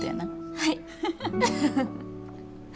はい。